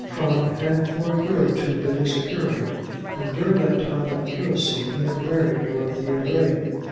Prime had for a year or two been his curate, and during that term of curacy he had married Dorothea Ray.